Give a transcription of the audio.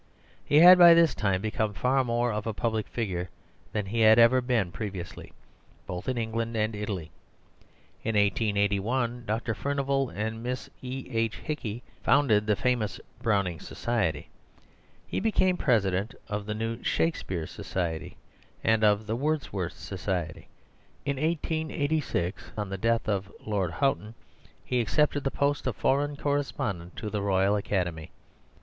He had by this time become far more of a public figure than he had ever been previously, both in England and Italy. In 1881, Dr. Furnivall and Miss E.H. Hickey founded the famous "Browning Society." He became President of the new "Shakespeare Society" and of the "Wordsworth Society." In 1886, on the death of Lord Houghton, he accepted the post of Foreign Correspondent to the Royal Academy.